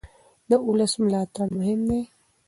د ولس ملاتړ مهم دی